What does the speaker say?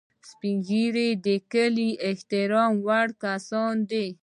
سپین ږیری د کلي د احترام وړ کسان دي